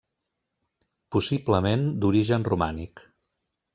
Possiblement d'origen romànic.